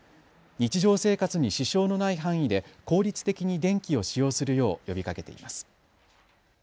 日常生活に支障のない範囲で効率的に電気を使用するよう呼びかけています。